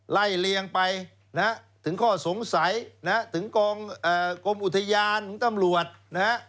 ไล่เลี้ยงไปถึงข้อสงสัยถึงกรมอุทยานถึงต้ำรวจ